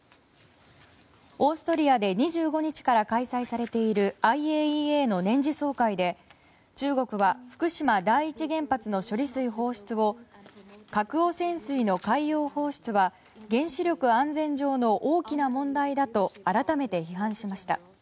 オーストリアで２５日から開催されているＩＡＥＡの年次総会で中国は福島第一原発の処理水放出を核汚染水の海洋放出は原子力安全上の大きな問題だと改めて批判しました。